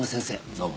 どうも。